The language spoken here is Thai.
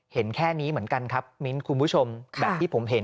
เห็นแค่นี้เหมือนกันครับมิ้นคุณผู้ชมแบบที่ผมเห็น